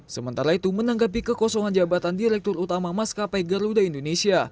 sementara itu menanggapi kekosongan jabatan direktur utama maskapai garuda indonesia